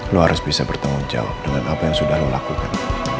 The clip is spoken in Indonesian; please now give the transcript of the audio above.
lo harus bisa bertanggung jawab dengan apa yang sudah lo lakukan